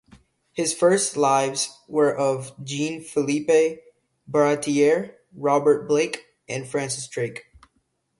His first "lives" were of Jean-Philippe Baratier, Robert Blake, and Francis Drake.